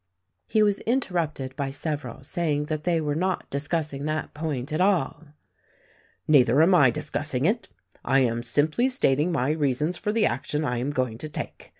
He was interrupted by several saying that they were not discussing that point at all. "Neither am I discussing it. I am simply stating my reasons for the action I am going to take.